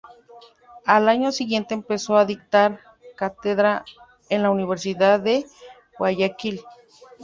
Al año siguiente empezó a dictar cátedra en la Universidad de Guayaquil.